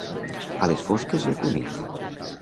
A les fosques i a Cunit.